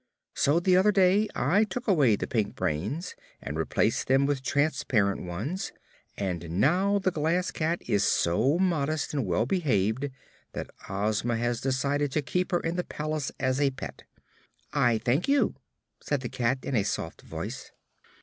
So the other day I took away the pink brains and replaced them with transparent ones, and now the Glass Cat is so modest and well behaved that Ozma has decided to keep her in the palace as a pet." "I thank you," said the cat, in a soft voice.